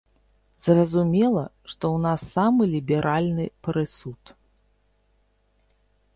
Зразумела, што ў нас самы ліберальны прысуд.